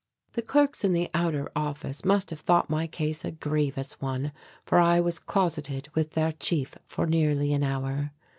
The clerks in the outer office must have thought my case a grievous one for I was closeted with their chief for nearly an hour.